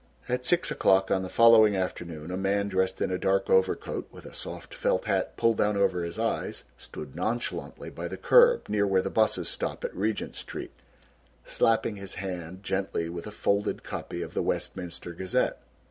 At six o'clock on the following afternoon, a man dressed in a dark overcoat, with a soft felt hat pulled down over his eyes stood nonchalantly by the curb near where the buses stop at Regent Street slapping his hand gently with a folded copy of the Westminster Gazette.